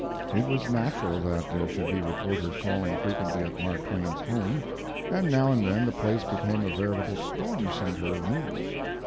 It was natural that there should be reporters calling frequently at Mark Twain's home, and now and then the place became a veritable storm center of news.